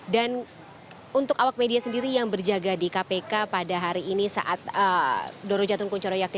dan untuk awak media sendiri yang berjaga di kpk pada hari ini saat doro jatun kunchoro yakti